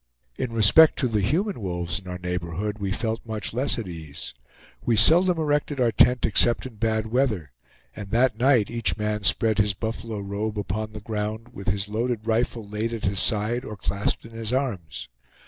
In respect to the human wolves in our neighborhood, we felt much less at our ease. We seldom erected our tent except in bad weather, and that night each man spread his buffalo robe upon the ground with his loaded rifle laid at his side or clasped in his arms.